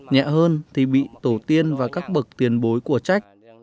nhẹ hơn thì bị tổ tiên và các bậc tàu bị trừng phạt